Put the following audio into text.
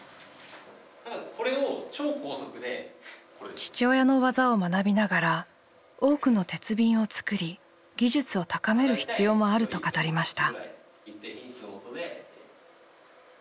父親の技を学びながら多くの鉄瓶を作り技術を高める必要もあると語りました。